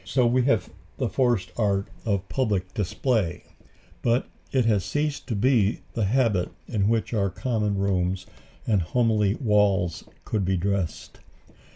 So we have the forced art of public display, but it has ceased to be the habit in which our common rooms and homely walls could be dressed.